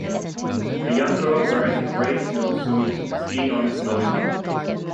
a young girl wearing a gray snowsuit skiing on a snowy mountain.